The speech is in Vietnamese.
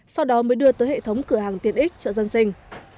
sau đó mới đưa tới hệ thống cửa hàng tiện ích chợ dân sinh